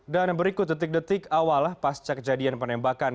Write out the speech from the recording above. dan berikut detik detik awal pasca kejadian penembakan